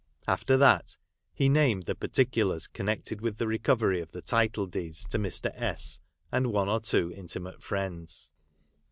After that, he named the particulars connected with the recovery of the title deeds to Mr. S , and one or two intimate friends.